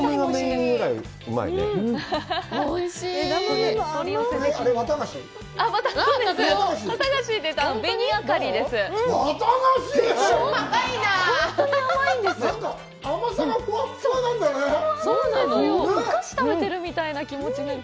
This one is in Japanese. お菓子を食べてるみたいな気持ちになる。